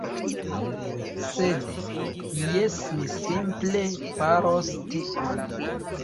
Sed... jes, mi simple faros tion.